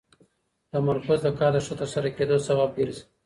تمرکز د کار د ښه ترسره کېدو سبب ګرځي.